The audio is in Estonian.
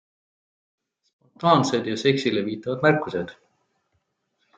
Spontaansed ja seksile viitavad märkused.